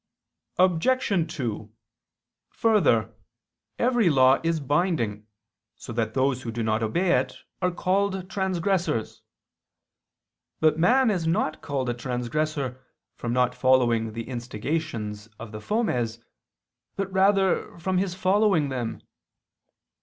Obj. 2: Further, every law is binding, so that those who do not obey it are called transgressors. But man is not called a transgressor, from not following the instigations of the fomes; but rather from his following them.